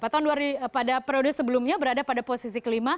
atau pada periode sebelumnya berada pada posisi ke lima